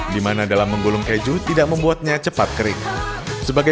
dimana dalam menggulung keju tidak membuat terasa